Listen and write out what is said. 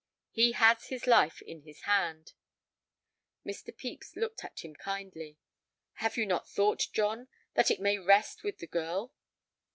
He has his life in his hand." Mr. Pepys looked at him kindly. "Have you not thought, John, that it may rest with the girl?"